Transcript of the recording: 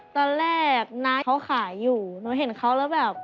ตอนแรกนัทเขาขายอยู่หนูเห็นเขาแล้วแบบ